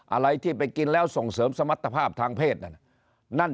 อะไรที่ไปกินแล้วส่งเสริมสมรรถภาพทางเพศนั่น